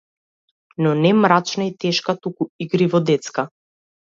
Но не мрачна и тешка, туку игриво детска.